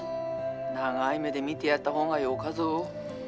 ☎長い目で見てやった方がよかぞ。